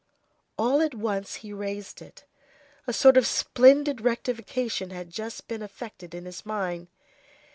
All at once he raised it. A sort of splendid rectification had just been effected in his mind.